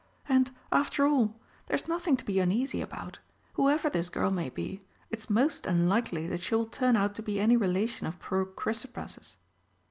"And, after all, there's nothing to be uneasy about. Whoever this girl may be, it's most unlikely that she will turn out to be any relation of poor Chrysopras'."